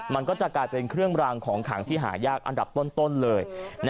มันก็จะกลายเป็นเครื่องรางของขังที่หายากอันดับต้นเลย